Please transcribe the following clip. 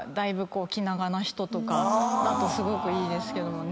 すごくいいですけどね。